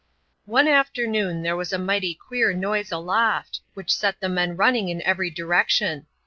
" One afternoon there was a mighty queer noise aloft, which set the men running in every direction.